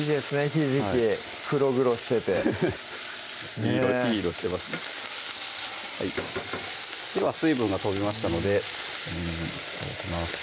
ひじき黒々してていい色してますねでは水分が飛びましたのでにんじん頂きます